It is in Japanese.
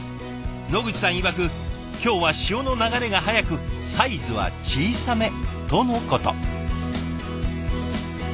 野口さんいわく今日は潮の流れが速くサイズは小さめとのこと。